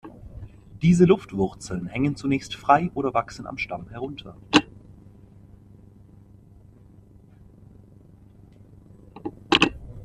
Diese Luftwurzeln hängen zunächst frei oder wachsen am Stamm herunter.